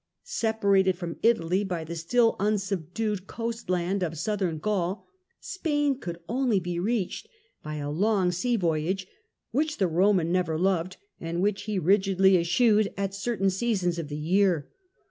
Separated from Italy by the still unsubdued coast land of Southern Gaul, Spain could only be reached by a long sea voyage, which the Roman never loved, and which he rigidly eschewed at certain seasons of the year.